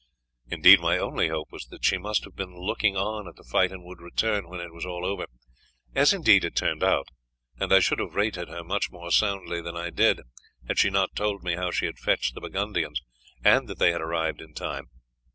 Indeed, my only hope was that she must have been looking on at the fight and would return when it was all over, as indeed it turned out; and I should have rated her much more soundly than I did had she not told me how she had fetched the Burgundians and that they had arrived in time.